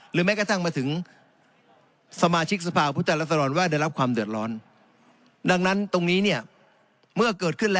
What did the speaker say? หรือแม้กระทั่งมาถึงสมาชิกสภาพพุทธรรษรรวรณว่าจะรับความเดือดร้อน